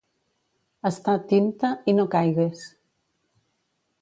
Estar tin-te i no caigues.